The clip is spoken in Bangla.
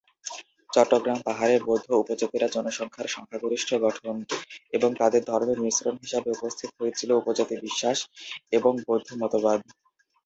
চট্টগ্রাম পাহাড়ে বৌদ্ধ উপজাতিরা জনসংখ্যার সংখ্যাগরিষ্ঠ গঠন, এবং তাদের ধর্মের মিশ্রণ হিসাবে উপস্থিত হয়েছিল উপজাতি বিশ্বাস এবং বৌদ্ধ মতবাদ।